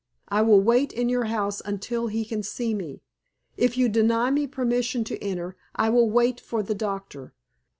I will wait in your house until he can see me. If you deny me permission to enter, I will wait for the doctor.